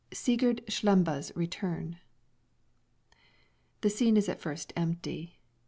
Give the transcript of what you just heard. SIGURD SLEMBE'S RETURN _The scene is at first empty.